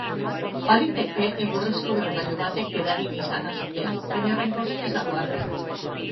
Baliteke egurrezko berogailu batek eragin izana sutea, baina oraingoz ez dago argi.